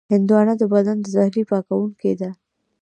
هندوانه د بدن د زهرو پاکوونکې ده.